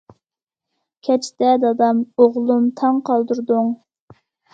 كەچتە دادام:- ئوغلۇم، تاڭ قالدۇردۇڭ.